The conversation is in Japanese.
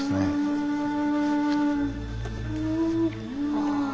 ああ。